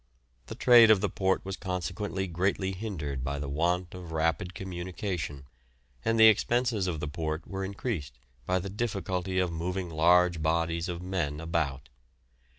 The trade of the port was consequently greatly hindered by the want of rapid communication, and the expenses of the port were increased by the difficulty of moving large bodies of men about.